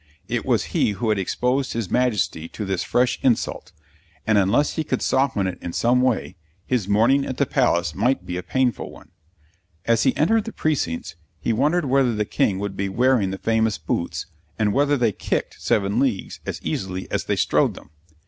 It was he who had exposed his Majesty to this fresh insult; and, unless he could soften it in some way, his morning at the Palace might be a painful one. As he entered the precincts, he wondered whether the King would be wearing the famous boots, and whether they kicked seven leagues as easily as they strode them.